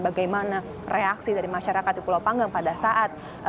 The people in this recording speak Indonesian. bagaimana reaksi dari masyarakat di pulau panggang pada saat